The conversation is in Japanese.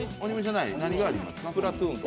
何があります？